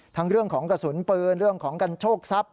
ทั้งเรื่องของกระสุนเปลือนเรื่องของกันโชคทรัพย์